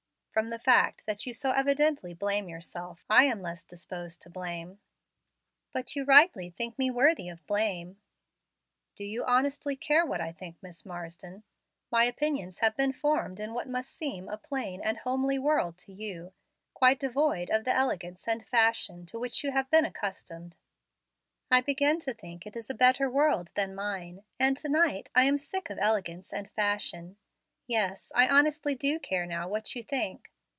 "From the fact that you so evidently blame yourself I am less disposed to blame." "But you rightly think me most worthy of blame." "Do you honestly care what I think, Miss Marsden? My opinions have been formed in what must seem a plain and homely world to you, quite devoid of the elegance and fashion to which you have been accustomed." "I begin to think it is a better world than mine, and to night I am sick of elegance and fashion. Yes, I honestly do care now what you do think.